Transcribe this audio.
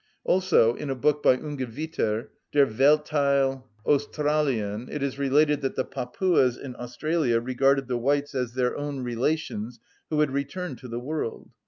Also in a book by Ungewitter, "Der Welttheil Australien," it is related that the Papuas in Australia regarded the whites as their own relations who had returned to the world.